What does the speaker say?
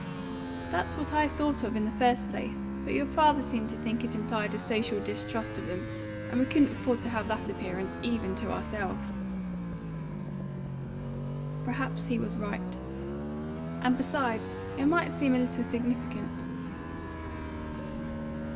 "That's what I thought of in the first place, but your father seemed to think it implied a social distrust of them; and we couldn't afford to have that appearance, even to ourselves." "Perhaps he was right." "And besides, it might seem a little significant."